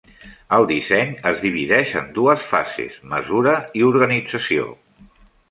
El disseny es divideix en dues fases: mesura i organització.